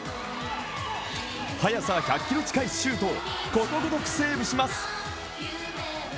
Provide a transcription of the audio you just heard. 速さ１００キロ近いシュートをことごとくセーブします。